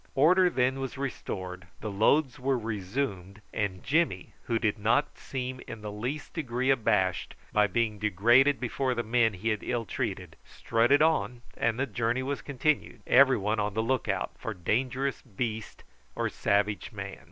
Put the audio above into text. Order then was restored, the loads were resumed, and Jimmy, who did not seem in the slightest degree abashed by being degraded before the men he had ill treated, strutted on, and the journey was continued, everyone on the look out for dangerous beast or savage man.